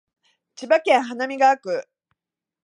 千葉市花見川区